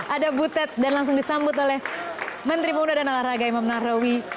ada butet dan langsung disambut oleh menteri pemuda dan alah raga imam narawi